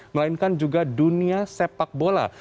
melainkan juga dunia sepak bola